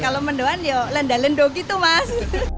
kalau mendoan ya lenda lendo gitu mas